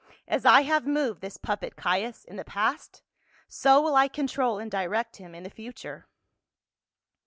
As I have moved this puppet, Caius, in the past so will I control and direct him in the future."